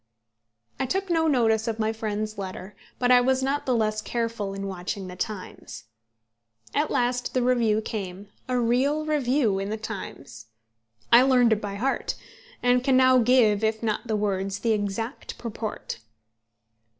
I took no notice of my friend's letter, but I was not the less careful in watching The Times. At last the review came, a real review in The Times. I learned it by heart, and can now give, if not the words, the exact purport.